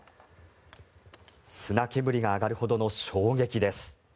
砂煙が上がるほどの衝撃です。